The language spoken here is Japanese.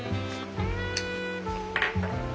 うん。